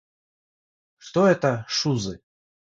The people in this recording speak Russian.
Что это "шузы"?